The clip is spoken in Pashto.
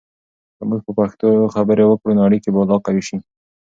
که موږ په پښتو خبرې وکړو، نو اړیکې به لا قوي سي.